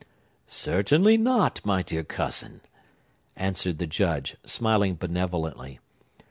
"Certainly not, my dear cousin!" answered the Judge, smiling benevolently.